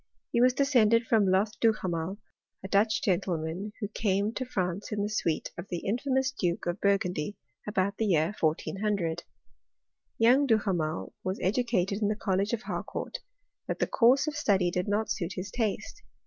He was descended from lodi Duhamely a Dutch grentleman, who came to Rmce in the suite of the infamous Duke of Bur* gandyy about the year 1400. Young Duhamel was edacaled in the College of Haicourt ; but the course of study did not suit his taste.